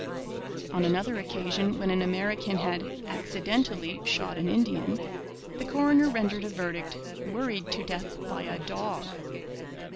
On another occasion, when an American had 'accidentally' shot an Indian, the coroner rendered a verdict 'worried to death by a dog.'